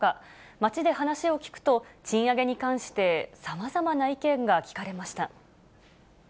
街で話を聞くと、賃上げに関してさまざまな意見が聞かれました。